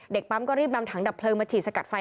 ปั๊มก็รีบนำถังดับเพลิงมาฉีดสกัดไฟ